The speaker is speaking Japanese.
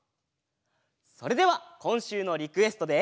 それではこんしゅうのリクエストで。